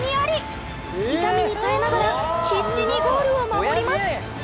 痛みに耐えながら必死にゴールを守ります。